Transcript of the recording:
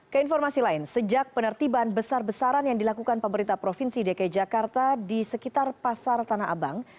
keinformasi lain sejak penertiban besar besaran yang dilakukan pemerintah provinsi dki jakarta di sekitar pasar tanah abang